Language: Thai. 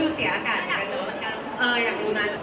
เมื่อกี้คุยกับน้องมิวและจูกิรู้สึกยังไงบ้าง